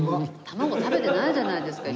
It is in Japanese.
卵食べてないじゃないですか。